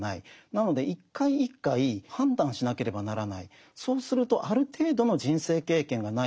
なので一回一回判断しなければならない。